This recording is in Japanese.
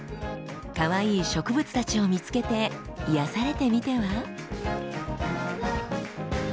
かわいい植物たちを見つけて癒やされてみては？